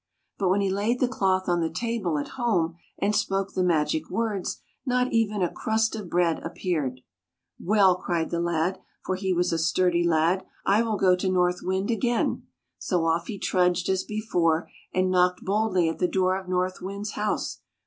But when he laid the cloth on the table at home and spoke the magic words, not even a crust of bread appeared. "Well," cried the lad — for he was a sturdy lad — "I will go to North Wind again." So off he trudged as before, and knocked boldly at the door of North Wind's house.